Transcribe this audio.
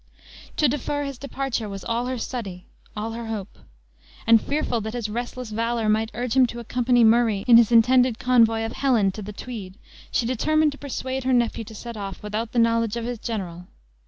TO defer his departure was all her study all her hope; and fearful that his restless valor might urge him to accompany Murray in his intended convoy of Helen to the Tweed, she determined to persuade her nephew to set off without the knowledge of his general.